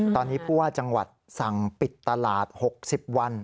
ตอนนี้ผู้ว่าจังหวัดสั่งปิดตลาด๖๐วัน